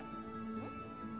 うん？